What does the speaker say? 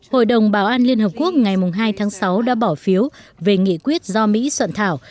hội đồng bảo an liên hợp quốc ngày hai tháng sáu đã bỏ phiếu về nghị quyết do mỹ soạn thảo